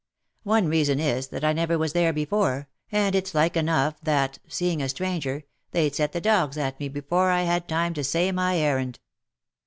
One reason is, that I never was there before, and it's like enough that, seeing a stranger, they'd set the dogs at me before I had time to say my errand.